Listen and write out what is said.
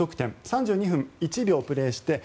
３２分１秒プレーして